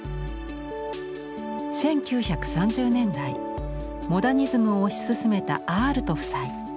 １９３０年代モダニズムを推し進めたアアルト夫妻。